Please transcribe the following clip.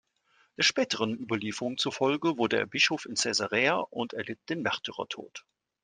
Der späteren Überlieferung zufolge wurde er Bischof in Caesarea und erlitt den Märtyrertod.